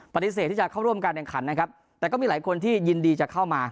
ปฏิเสธที่จะเข้าร่วมการแข่งขันนะครับแต่ก็มีหลายคนที่ยินดีจะเข้ามา